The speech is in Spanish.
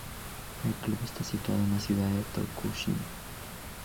El club está situado en la ciudad de Tokushima.